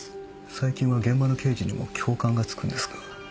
最近は現場の刑事にも教官がつくんですか。